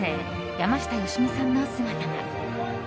山下良美さんの姿が。